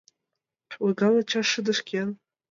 Ойган ача шыдешкен...